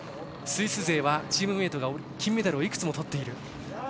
スイス勢はチームメートが金メダルをいくつもとっている。